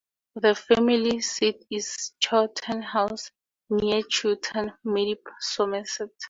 The family seat is Chewton House, near Chewton Mendip, Somerset.